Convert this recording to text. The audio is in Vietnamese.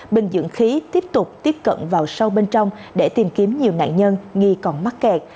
bình dưỡng khí tiếp tục tiếp cận vào sâu bên trong để tìm kiếm nhiều nạn nhân nghi còn mắc kẹt